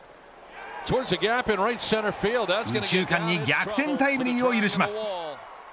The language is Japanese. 右中間に逆転タイムリーを許します。